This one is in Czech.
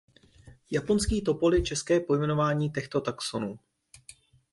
Japonský topol je české pojmenování těchto taxonů.